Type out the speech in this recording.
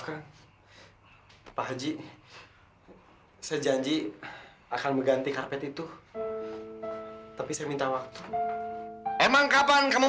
hah kamu mau ganti pakai apa pakai kepalamu